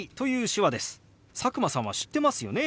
佐久間さんは知ってますよね。